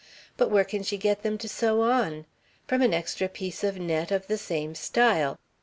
But where can she get them to sew on? From an extra piece of net of the same style.